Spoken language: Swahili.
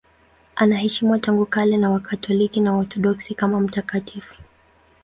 Anaheshimiwa tangu kale na Wakatoliki na Waorthodoksi kama mtakatifu.